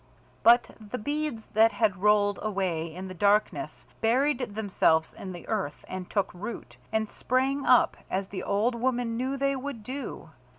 But the beads that had rolled away in the darkness, buried themselves in the earth, and took root, and sprang up, as the old woman knew they would do.